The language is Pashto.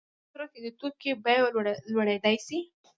آیا په دې صورت کې د توکي بیه لوړیدای شي؟